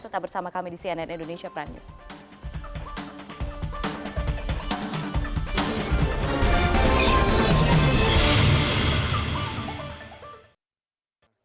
tetap bersama kami di cnn indonesia prime news